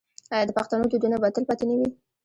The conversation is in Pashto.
آیا د پښتنو دودونه به تل پاتې نه وي؟